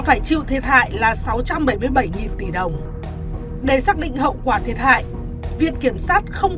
phải chịu thiệt hại là sáu trăm bảy mươi bảy tỷ đồng để xác định hậu quả thiệt hại viện kiểm sát không